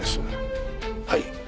はい。